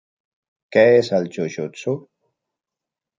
Què és el jujutsu?